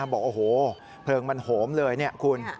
บอกโอ้โหเพลิงมันโหมเลยเนี่ยคุณ